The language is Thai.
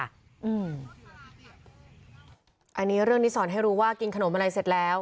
อันนี้เรื่องนี้สอนให้รู้ว่ากินขนมอะไรเสร็จแล้ว